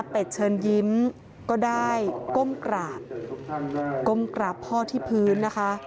อเป็ดเชิญยิ้มก็ได้ก้มกราบพ่อที่พื้น